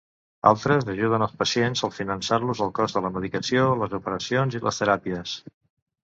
Altres ajuden als pacients al finançar-los el cost de la medicació, les operacions i les teràpies.